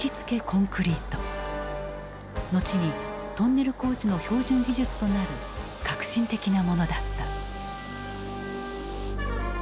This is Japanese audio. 後にトンネル工事の標準技術となる革新的なものだった。